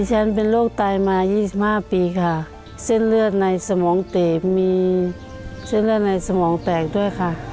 ฉันเป็นโรคไตมา๒๕ปีค่ะเส้นเลือดในสมองเตะมีเส้นเลือดในสมองแตกด้วยค่ะ